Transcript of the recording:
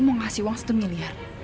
mau ngasih uang satu miliar